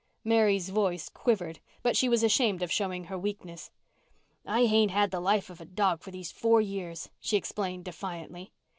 Mary's voice quivered, but she was ashamed of showing her weakness. "I hain't had the life of a dog for these four years," she explained defiantly.